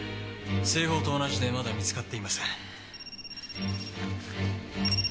製法と同じでまだ見つかっていません。